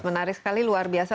menarik sekali luar biasa